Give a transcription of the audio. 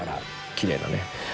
きれいなね